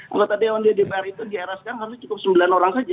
anggota dpr itu di eraskan harusnya cukup sembilan orang saja